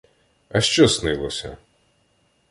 — А що снилося?